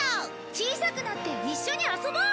小さくなって一緒に遊ぼう！